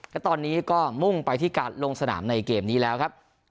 และตอนนี้ก็มุ่งไปที่การลงสนามในเกมนี้แล้วครับ